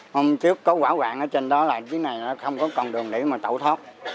hôm trước có quả quạng ở trên đó là chiếc này nó không có con đường để mà tẩu thoát